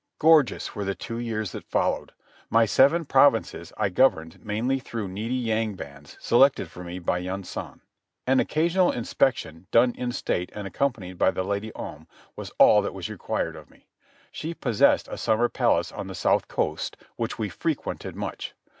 Gorgeous were the two years that followed. My seven provinces I governed mainly though needy yang bans selected for me by Yunsan. An occasional inspection, done in state and accompanied by the Lady Om, was all that was required of me. She possessed a summer palace on the south coast, which we frequented much.